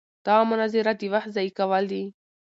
دغه مناظره د وخت ضایع کول دي.